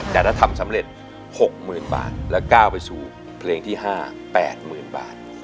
แต่ถ้าทำสำเร็จ๖๐๐๐บาทแล้วก้าวไปสู่เพลงที่๕๘๐๐๐บาท